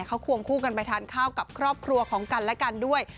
เขาควงคู่กันไปทานข้าวกับครอบครัวของกันและกันด้วย